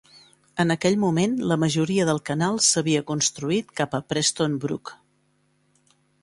En aquell moment, la majoria del canal s'havia construït cap a Preston Brook.